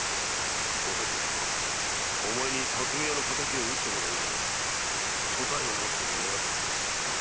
お咲はお前に巽屋の敵を討ってもらうより所帯を持つことを願っている。